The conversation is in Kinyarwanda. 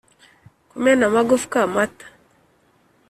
kumena amagufwa mata